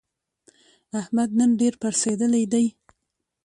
احمد نن ډېر پړسېدلی دی.